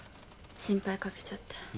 心配かけちゃって。